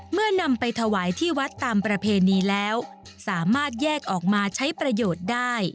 นำไปถวายที่วัดตามประเพณีแล้วสามารถแยกออกมาใช้ประโยชน์ได้